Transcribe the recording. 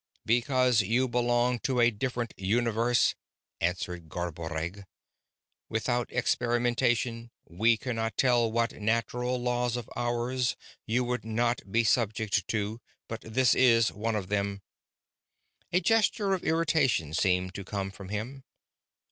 "Because you belong to a different universe," answered Garboreggg. "Without experimentation, we cannot tell what natural laws of ours you would not be subject to, but this is one of them." A gesture of irritation seemed to come from him.